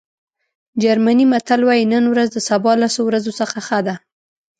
جرمني متل وایي نن ورځ د سبا لسو ورځو څخه ښه ده.